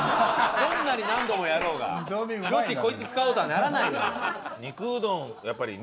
どんなに何度もやろうが「よしこいつ使おう」とはならないのよ。